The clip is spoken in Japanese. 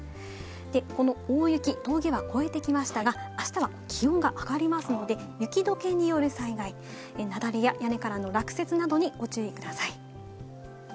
この大雪、峠は越えてきましたが、あしたは気温が上がりますので、雪どけによる災害、雪崩や屋根からの落雪などにご注意ください。